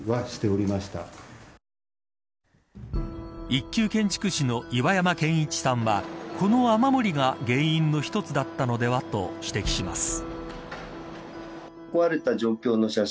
一級建築士の岩山健一さんはこの雨漏りが原因の一つだったのではと指摘します。